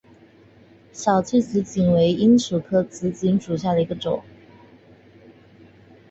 小距紫堇为罂粟科紫堇属下的一个种。